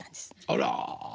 あら！